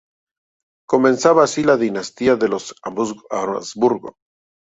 Comenzaba así la dinastía de los Habsburgo.